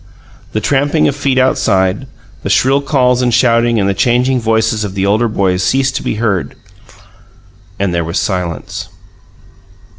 The tramping of feet outside, the shrill calls and shouting and the changing voices of the older boys ceased to be heard and there was silence.